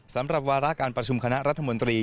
สำหรับวาระการประชุมคณะรัฐมนตรี